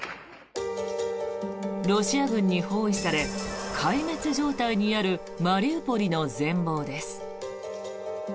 ロシア軍に包囲され壊滅状態にあるマリウポリの全ぼうです。